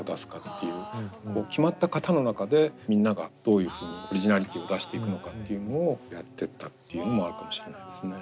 決まった型の中でみんながどういうふうにオリジナリティーを出していくのかっていうのをやってったっていうのもあるかもしれないですね。